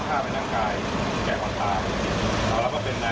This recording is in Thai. สวัสดีครับ